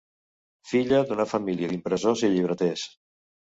Filla d'una família d'impressors i llibreters.